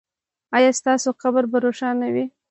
ایا ستاسو قبر به روښانه وي؟